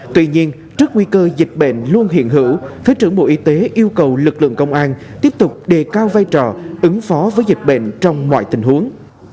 tuy nhiên trước nguy cơ dịch bệnh luôn hiện hữu thứ trưởng bộ y tế yêu cầu lực lượng công an tiếp tục đề cao vai trò ứng phó với dịch bệnh trong mọi tình huống